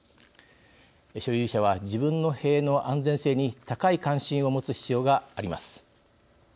所有者は、自分の塀の安全性に高い関心を持つ必要があります。